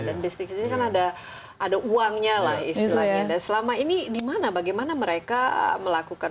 dan bisnisnya kan ada ada uangnya lah istilahnya dan selama ini dimana bagaimana mereka melakukan